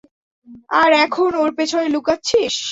আর এখন, ওর পেছনে লুকাচ্ছিস?